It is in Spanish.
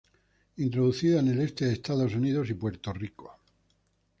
Introducida en el Este de Estados Unidos y Puerto Rico.